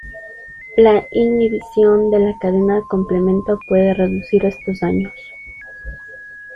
La inhibición de la cadena complemento puede reducir estos daños.